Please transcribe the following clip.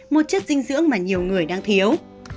một chất dinh dưỡng mà nhiều người đang thiếu